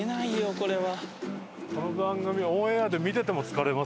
これは。